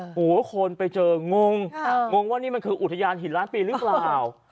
โอ้โหคนไปเจองงงงว่านี่มันคืออุทยานหินล้านปีหรือเปล่า